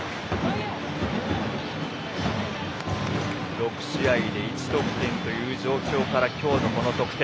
６試合で１得点という状況からきょうのこの得点。